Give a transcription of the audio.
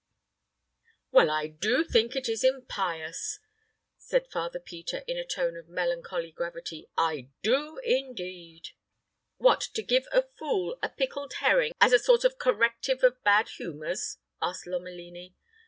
"Well, I do think it is impious," said Father Peter, in a tone of melancholy gravity. "I do, indeed." "What, to give a fool a pickled herring as a sort of corrective of bad humors?" asked Lomelini.